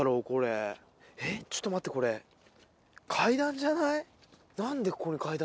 これえっちょっと待ってこれ階段じゃない？